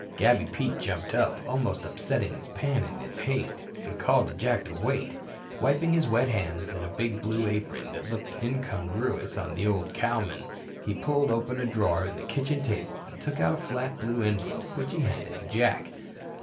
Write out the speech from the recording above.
Gabby Pete jumped up, almost upsetting his pan in his haste, and called to Jack to wait. Wiping his wet hands on a big blue apron that looked incongruous on the old cowman, he pulled open a drawer in a kitchen table and took out a flat blue envelope which he handed to Jack.